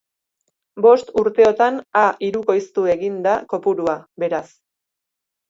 Bost urteotan a hirukoiztu egin da kopurua, beraz.